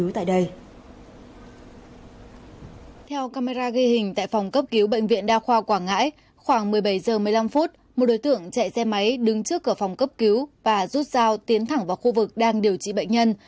tại khoa quảng ngãi khoảng một mươi bảy h một mươi năm một đối tượng chạy xe máy đứng trước cửa phòng cấp cứu và rút dao tiến thẳng vào khu vực đang điều trị bệnh nhân